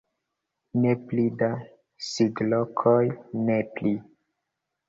"Ne pli da sidlokoj, ne pli!"